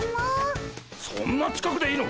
そんな近くでいいのか？